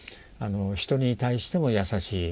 人に対しても優しい。